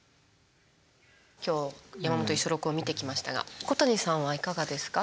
今日は山本五十六を見てきましたが小谷さんはいかがですか？